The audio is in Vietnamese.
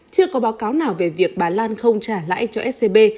chưa có báo cáo nào về việc bà lan không trả lãi cho scb